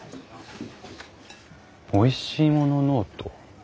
「おいしいものノート」。